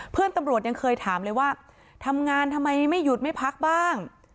เพื่อนตำรวจยังเคยถามเลยว่าทำงานทำไมไม่หยุดไม่พักบ้าง